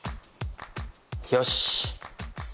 よし！